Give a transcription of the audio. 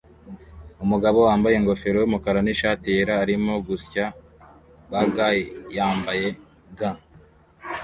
Umugabo wambaye ingofero yumukara nishati yera arimo gusya burger yambaye gants